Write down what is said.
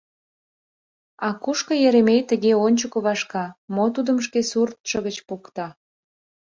А кушко Еремей тыге ончыко вашка, мо тудым шке суртшо гыч покта?